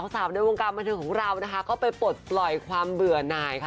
สาวในวงการบันเทิงของเรานะคะก็ไปปลดปล่อยความเบื่อหน่ายค่ะ